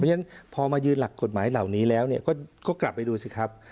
เพราะฉะนั้นพอมายืนหลักกฎหมายเหล่านี้แล้วก็กลับไปดูสิครับ